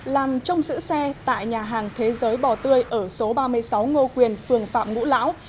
làm trông giữ xe tại nhà hàng thế giới bò tươi ở số ba mươi sáu ngô quyền phường phạm ngũ lão